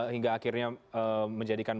hingga akhirnya menjadikan